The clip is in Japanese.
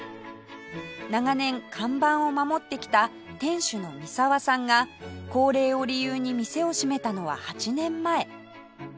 長年看板を守ってきた店主の三澤さんが高齢を理由に店を閉めたのは８年前